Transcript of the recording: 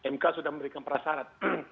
mk sudah memberikan perasarat